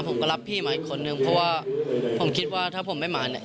ผมก็รับพี่มาอีกคนนึงเพราะว่าผมคิดว่าถ้าผมไม่มาเนี่ย